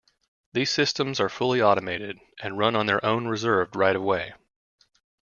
These systems are fully automated and run on their own reserved right of way.